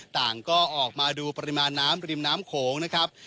ต่างก็ออกมาดูปริมาณน้ำริมน้ำโขงนะครับ